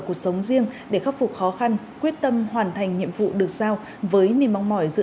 cuộc sống riêng để khắc phục khó khăn quyết tâm hoàn thành nhiệm vụ được sao với niềm mong mỏi giữ